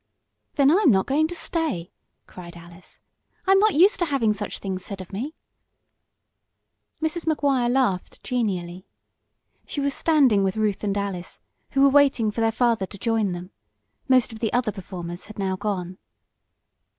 "Then I'm not going to stay!" cried Alice. "I'm not used to having such things said of me." Mrs. Maguire laughed genially. She was standing with Ruth and Alice, who were waiting for their father to join them. Most of the other performers had now gone.